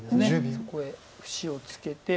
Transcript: そこへ節をつけて。